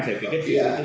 saya pikir itu